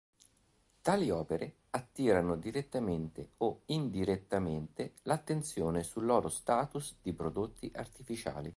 Tali opere attirano direttamente o indirettamente l'attenzione sul loro status di prodotti artificiali.